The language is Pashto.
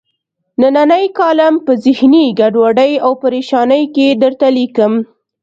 نننۍ کالم په ذهني ګډوډۍ او پریشانۍ کې درته لیکم.